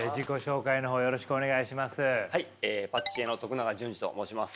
パティシエの永純司と申します。